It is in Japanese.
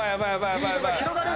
リードが広がる。